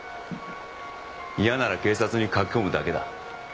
嫌なら警察に駆け込むだけだ。